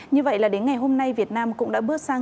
như vậy là đến ngày hôm nay việt nam cũng đã bước sang